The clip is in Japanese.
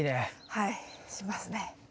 はいしますね。